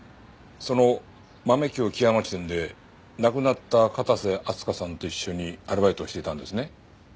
そのまめ京木屋町店で亡くなった片瀬明日香さんと一緒にアルバイトをしていたんですね？